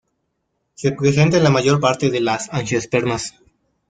Se presenta en la mayor parte de las angiospermas.